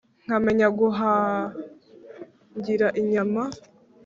Nkamenya guhangira inyama!